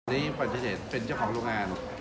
อันนี้ปฏิเสธเป็นเจ้าของโรงงาน